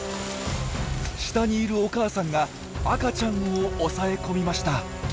下にいるお母さんが赤ちゃんを押さえ込みました。